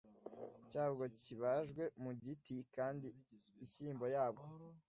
cyabwo kibajwe mu giti kandi inshyimbo yabwo